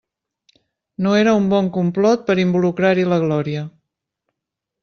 No era un bon complot per involucrar-hi la Glòria!